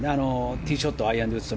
ティーショットをアイアンで打つと。